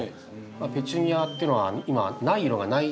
ペチュニアっていうのは今ない色がないぐらいですね